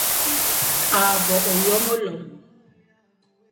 À bôe ôyo melom,